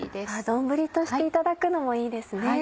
丼としていただくのもいいですね。